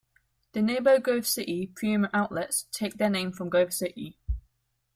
The nearby Grove City Premium Outlets take their name from Grove City.